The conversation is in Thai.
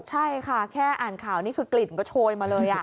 ใช่ค่ะแค่อ่านข่าวนี่คือกลิ่นก็โชยมาเลย